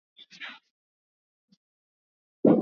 unasafiri na familia Hakikisha fedha ambazo umetumia bajeti